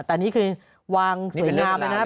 แต่นี่คือวางเป็นหน้ามา